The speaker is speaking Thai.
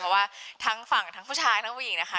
เพราะว่าทั้งฝั่งทั้งผู้ชายทั้งผู้หญิงนะคะ